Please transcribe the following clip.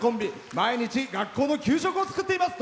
毎日、学校の給食を作っています。